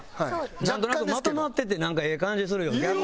なんとなくまとまっててなんかええ感じするよ逆に。